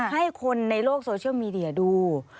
ให้คนในโลกโซเชียลมีเดียดู